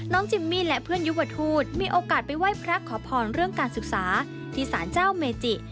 จิมมี่และเพื่อนยุวทูตมีโอกาสไปไหว้พระขอพรเรื่องการศึกษาที่สารเจ้าเมจิ